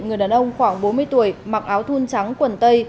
người đàn ông khoảng bốn mươi tuổi mặc áo thun trắng quần tây